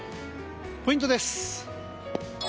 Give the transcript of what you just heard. ポイントです。